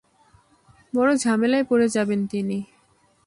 বড় ঝামেলায় পড়ে যাবেন তিনি।